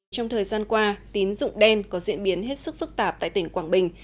trong thời gian qua tín dụng đen có diễn biến hết sức phức tạp tại tỉnh quảng bình